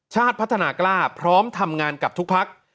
ชาติพัฒนากล้าพร้อมทำงานกับทุกพัก